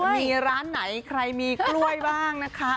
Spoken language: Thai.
มีร้านไหนใครมีกล้วยบ้างนะคะ